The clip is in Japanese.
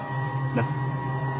なっ？